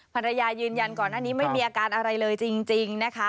ภรรยายืนยันก่อนหน้านี้ไม่มีอาการอะไรเลยจริงนะคะ